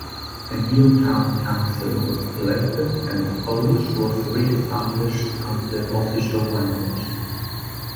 A new town council was elected and Polish was re-established as the official language.